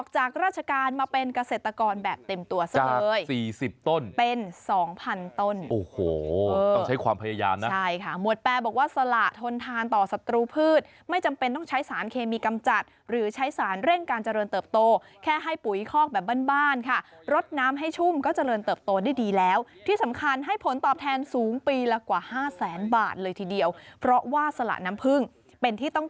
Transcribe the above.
จาก๔๐ต้นเป็น๒๐๐๐ต้นต้องใช้ความพยายามนะใช่ค่ะหมวดแปรบอกว่าสละทนทานต่อศัตรูพืชไม่จำเป็นต้องใช้สารเคมีกำจัดหรือใช้สารเร่งการเจริญเติบโตแค่ให้ปุ๋ยคอกแบบบ้านค่ะรดน้ำให้ชุ่มก็เจริญเติบโตได้ดีแล้วที่สำคัญให้ผลตอบแทนสูงปีละกว่า๕๐๐๐๐๐บาทเลยทีเดียวเพราะว่าสละน